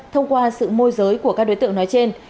thông qua sự môi giới của các đối tượng nói trên